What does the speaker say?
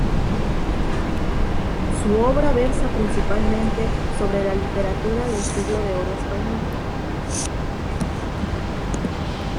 Su obra versa principalmente sobre la literatura del Siglo de Oro español.